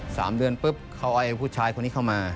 เค้าเอาไอ้ผู้ชายคนนี้เข้ามา